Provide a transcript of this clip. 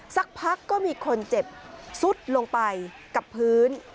สักพักก็มีคนเจ็บซุดลงไปกับพื้น